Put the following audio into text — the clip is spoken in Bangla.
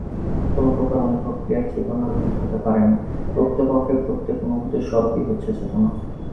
কোন প্রকার অনুভব-ক্রিয়াই চেতনারহিত হতে পারে না, প্রকৃতপক্ষে প্রত্যেক অনুভূতির স্বরূপই হচ্ছে চেতনা।